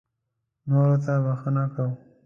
نورو ته بښنه کوه .